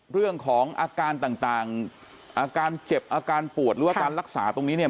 เรื่องของอาการต่างอาการเจ็บอาการปวดหรือว่าการรักษาตรงนี้เนี่ย